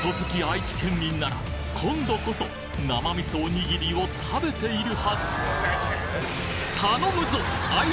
愛知ケンミンなら今度こそ生味噌おにぎりを食べているはず